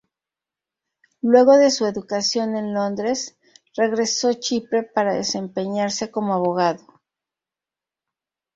Luego de su educación en Londres, regresó Chipre para desempeñarse como abogado.